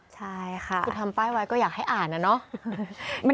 ใช่ค่ะคุณทำป้ายไว้ก็อยากให้อ่านนะเนาะ